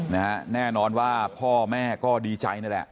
แน่นอนว่าพ่อแม่ก็ดีใจนั่นแหละ